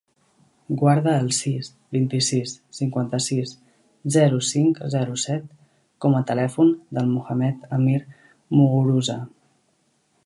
Guarda el sis, vint-i-sis, cinquanta-sis, zero, cinc, zero, set com a telèfon del Mohamed amir Muguruza.